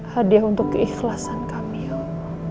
hadiah untuk keikhlasan kami ya allah